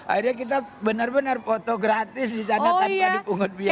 akhirnya kita benar benar foto gratis di sana tanpa dipungut biaya